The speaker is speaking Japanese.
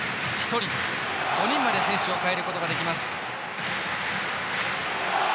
５人まで選手を代えることができます。